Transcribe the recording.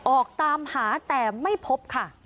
ออกตามหาแต่ไม่พบค่ะ